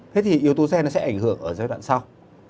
thế thì yếu tố gen sẽ ảnh hưởng ở giai đoạn sau